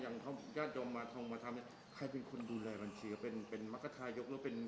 อย่างเขาย่าจงมาทงมาทำใครเป็นคนดูแลบัญชีก็เป็นเป็นมักษายกหรือเป็น